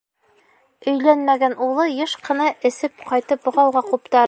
Өйләнмәгән улы йыш ҡына эсеп ҡайтып ғауға ҡуптара.